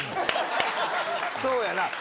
そうやな。